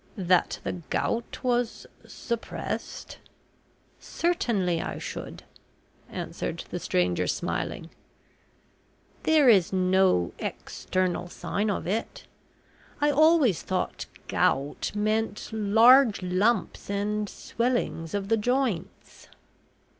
"That the gout was suppressed? certainly I should," answered the stranger, smiling. "There is no external sign of it. I always thought gout meant large lumps, and swellings of the joints."